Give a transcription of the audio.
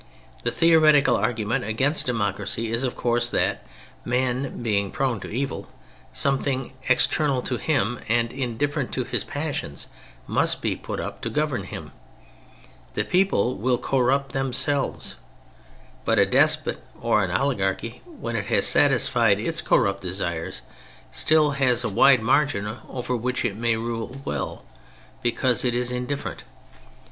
The theoretical argument against de mocracy is, of course, that man being prone to evil, something external to him and indifferent to his passions must be put up to govern him; the people will corrupt themselves, but a despot or an oligarchy, when it has satisfied its corrupt desires, still has a wide margin B 34 THE FRENCH REVOLUTION over which it may rule well because it is indifferent.